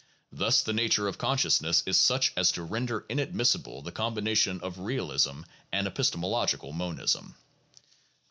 Thus the nature of consciousness is such as to render inadmissible the combination of realism and epistemo logical monism.